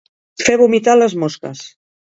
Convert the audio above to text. Fer vomitar a les mosques.